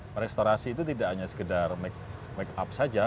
merestorasi itu tidak hanya sekedar make up saja